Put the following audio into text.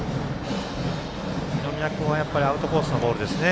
二宮君は、やっぱりアウトコースのボールですね。